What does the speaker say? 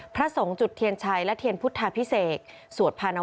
พระสงค์จุดเทียนชัยและเทียนพุทธพิเศษประสงค์ประสงค์สัพพรานวาล